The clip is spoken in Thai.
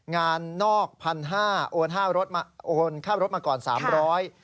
งานนอก๑๕๐๐บาทโอนค่าบริการมาก่อน๓๐๐บาท